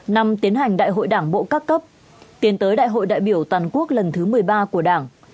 năm tiến hành đại hội đảng bộ các cấp tiến tới đại hội đại biểu toàn quốc lần thứ một mươi ba của đảng